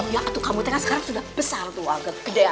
ya atuh kamu tekan sekarang sudah besar tuh agak kejayaan